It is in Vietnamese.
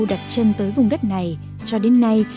đặt chân tới vùng đất này cho đến nay